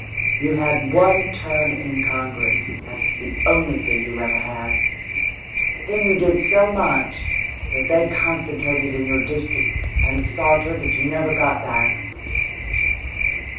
"You had one term in Congress that's the only thing you ever had. Then you did so much that they concentrated in your district and saw to it that you never got back.